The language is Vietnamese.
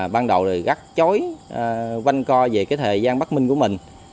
ban đầu thì gắt chối vanh co về cái thời gian bắt minh của mình